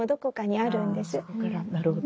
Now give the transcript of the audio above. なるほど。